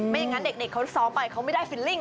อย่างนั้นเด็กเขาซ้อมไปเขาไม่ได้ฟิลลิ่ง